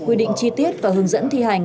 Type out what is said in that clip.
quy định chi tiết và hướng dẫn thi hành